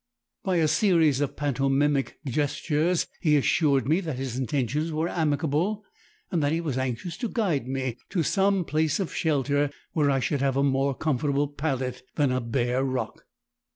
By a series of pantomimic gestures he assured me that his intentions were amicable, and that he was anxious to guide me to some place of shelter where I should have a more comfortable pallet than a bare rock.